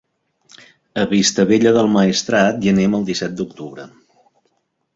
A Vistabella del Maestrat hi anem el disset d'octubre.